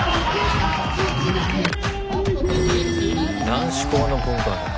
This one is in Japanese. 男子校の文化祭。